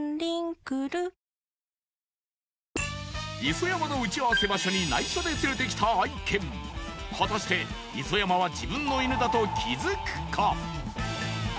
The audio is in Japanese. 磯山の打ち合わせ場所に内緒で連れてきた愛犬果たして磯山は自分の犬だと気づくか？